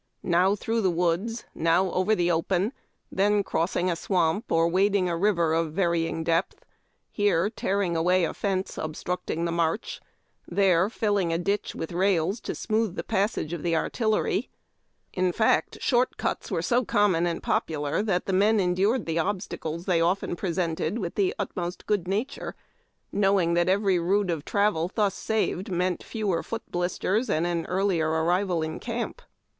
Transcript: Now through the woods, now over the open, then crossing a swam}), or wading a river of varying depth, here tearing away a fence obstructing the march, there filling a ditch with rails to smooth the passage of the artillery, — in fact, "short cuts " were so common and popular that the men endured the obstacles they often pre sented with the utmost good nature, knowing that every rood of travel thus saved meant fewer foot blisters and an earlier arrival in camp.